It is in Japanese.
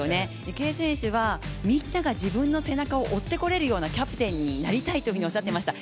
池江選手は、みんなが自分の背中を追ってこれるようなキャプテンになりたいとおっしゃっていました。